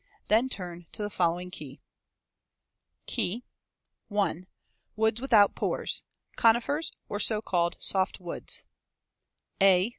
Then turn to the following key: KEY I. WOODS WITHOUT PORES CONIFERS OR SO CALLED "SOFTWOODS" A.